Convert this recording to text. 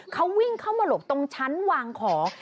เขาวิ่งเข้ามาหลบตรงชั้นวางของ